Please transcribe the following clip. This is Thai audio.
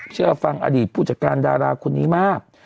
เชื่อฟังอดีตผู้จัดการดาราคนนี้มาก